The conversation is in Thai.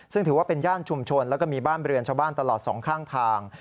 ซึ่งถือว่าเป็นย่านชุมชนแล้วก็มีบ้านเรือนชาวบ้านตลอดสองข้างทาง